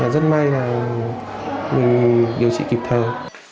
rất may là mình điều trị kịp thời